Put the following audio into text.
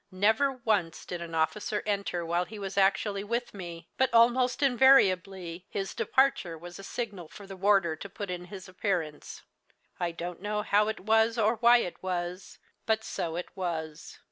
Never once did an officer enter while he was actually with me, but, almost invariably, his departure was the signal for the warder to put in his appearance. I don't know how it was, or why it was, but so it was.